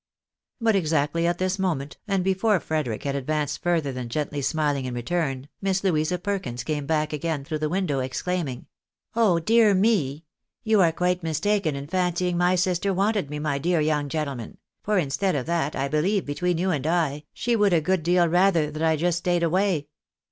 But exactly at this moment, and before Frederic had advanced further than gently smiling in return. Miss Louisa Perkins came back again through the window, exclaiming —■" Oh, dear me ! You are quite mistaken in fancying my sister wanted me, my dear young gentleman ; for, instead of that, I believe, between you and I, she would a good deal rather that I should just stay away.